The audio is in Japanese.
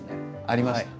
ありますか。